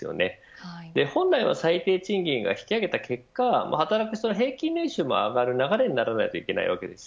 本来は最低賃金を引き上げた結果働く人の平均年収が上がる流れにならないといけません。